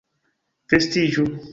Vestiĝu!